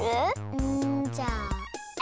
うんじゃあＦ！